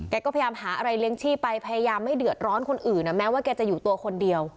ก็พยายามหาอะไรเลี้ยงชีพไปพยายามไม่เดือดร้อนคนอื่นแม้ว่าแกจะอยู่ตัวคนเดียว